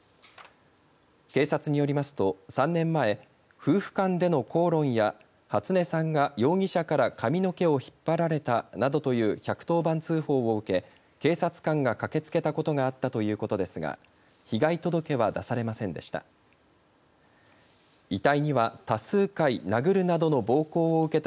警察によりますと３年前夫婦間での口論や初音さんが容疑者から髪の毛を引っ張られたなどという１１０番通報を受け警察官が駆けつけたことがあったということですが被害届は出されませんでした。